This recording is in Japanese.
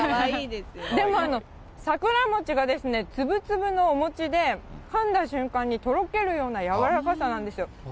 でも桜餅がですね、粒々のお餅でかんだ瞬間にとろけるようなやわらかさなんですよ。